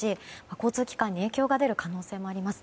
交通機関に影響が出る可能性もあります。